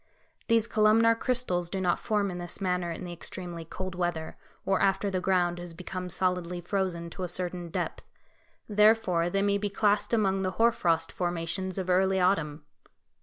These columnar crystals do not form in this manner in the extremely cold weather, or after the ground has become solidly frozen to a certain depth; therefore they may be classed among the hoar frost formations of early autumn.